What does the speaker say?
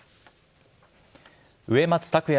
上松拓也